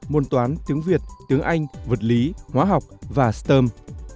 môn toán tiếng việt tiếng anh vật lý hóa học và stem